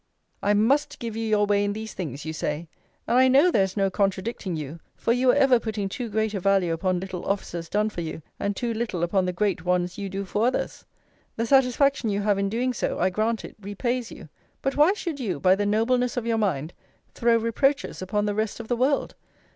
I MUST give you your way in these things, you say. And I know there is no contradicting you: for you were ever putting too great a value upon little offices done for you, and too little upon the great ones you do for others. The satisfaction you have in doing so, I grant it, repays you. But why should you, by the nobleness of your mind, throw reproaches upon the rest of the world?